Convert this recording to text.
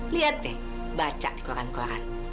lihat deh baca di koran koran